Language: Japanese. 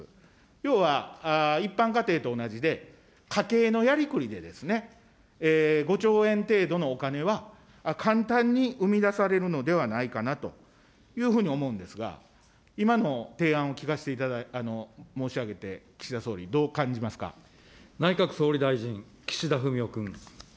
要は一般家庭と同じで、家計のやり繰りで５兆円程度のお金は簡単に生みだされるのではないかなというふうに思うんですが、今の提案を申し上げて、岸田総理、内閣総理大臣、岸田文雄君。